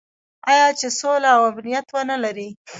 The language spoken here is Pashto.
آیا چې سوله او امنیت ونلري؟